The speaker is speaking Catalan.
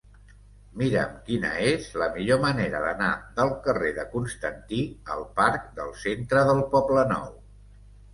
Mira'm quina és la millor manera d'anar del carrer de Constantí al parc del Centre del Poblenou.